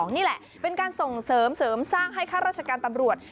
นี่แหละเป็นการส่งเสริมเสริมสร้างให้ข้าราชการตำรวจ